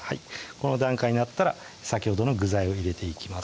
この段階になったら先ほどの具材を入れていきます